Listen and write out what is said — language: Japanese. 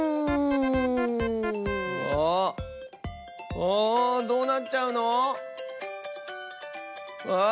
あどうなっちゃうの⁉わあっ⁉